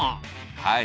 はい。